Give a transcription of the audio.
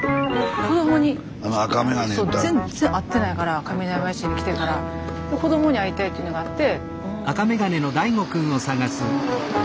子どもに全然会ってないから上山市に来てから子どもに会いたいっていうのがあって。